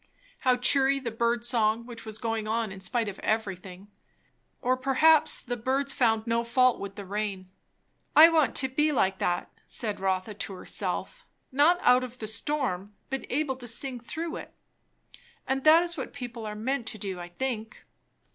how cheery the bird song which was going on in spite of everything! Or perhaps the birds found no fault with the rain. I want to be like that, said Rotha to herself; not to be out of the storm, but to be able to sing through it. And that is what people are meant to do, I think.